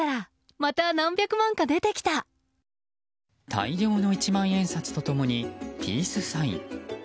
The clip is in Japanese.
大量の一万円札と共にピースサイン。